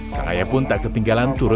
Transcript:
sang ayah pun tak ketinggalan turun